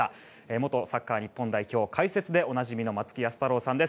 元サッカー日本代表解説でおなじみの松木安太郎さんです。